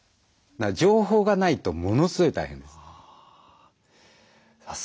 情報がないとものすごい大変です。